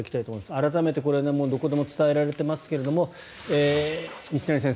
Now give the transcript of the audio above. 改めてどこでも伝えられていますが西成先生